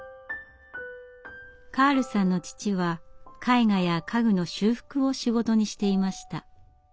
カールさんの父は絵画や家具の修復を仕事にしていました。